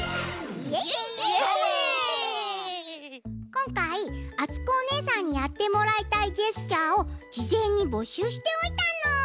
こんかいあつこおねえさんにやってもらいたいジェスチャーをじぜんにぼしゅうしておいたの。